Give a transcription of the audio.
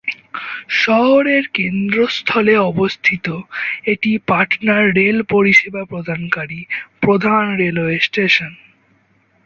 শহরের কেন্দ্রস্থলে অবস্থিত, এটি পাটনার রেল পরিষেবা প্রদানকারী প্রধান রেলওয়ে স্টেশন।